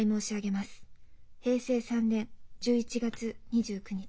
平成３年１１月２９日」。